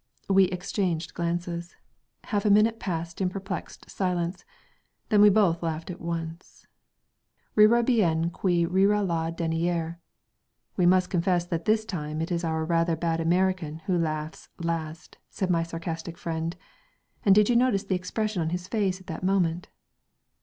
We exchanged glances. Half a minute passed in perplexed silence. Then we both laughed at once.... "Rira bien qui rira le dernier. We must confess that this time it is 'our' rather bad American who laughs last," said my sarcastic friend. "And did you notice the expression on his face at that moment?"